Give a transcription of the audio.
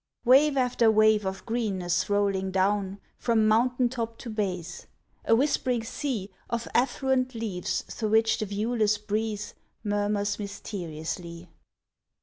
Wave after wave of greenness rolling down From mountain top to base, a whispering sea Of affluent leaves through which the viewless breeze Murmurs mysteriously.